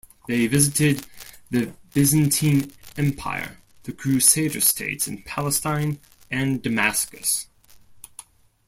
They visited the Byzantine Empire, the Crusader States in Palestine, and Damascus.